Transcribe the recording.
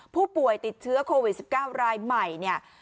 ผู้ป่วยติดเชื้อโควิด๑๙รายใหม่เนี่ย